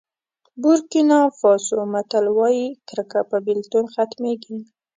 بورکېنا فاسو متل وایي کرکه په بېلتون ختمېږي.